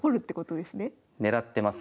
狙ってます。